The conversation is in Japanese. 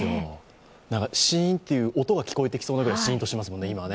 シーンという音が聞こえてきそうなぐらい、シーンとしていますもんね、今は。